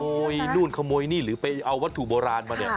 นู่นขโมยนี่หรือไปเอาวัตถุโบราณมาเนี่ย